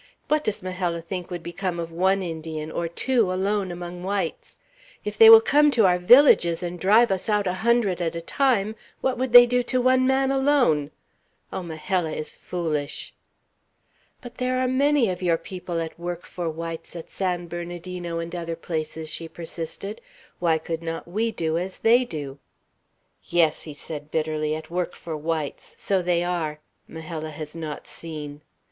"What does Majella think would become of one Indian, or two, alone among whites? If they will come to our villages and drive us out a hundred at a time, what would they do to one man alone? Oh, Majella is foolish!" "But there are many of your people at work for whites at San Bernardino and other places," she persisted. "Why could not we do as they do?" "Yes," he said bitterly, "at work for whites; so they are, Majella has not seen.